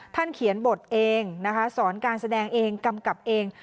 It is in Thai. เขียนบทเองนะคะสอนการแสดงเองกำกับเอง